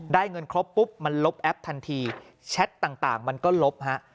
เงินครบปุ๊บมันลบแอปทันทีแชทต่างมันก็ลบฮะ